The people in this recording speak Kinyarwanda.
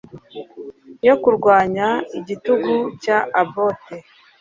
yo kurwanya igitugu cya obote